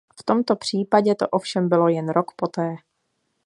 V tomto případě to ovšem bylo jen rok poté.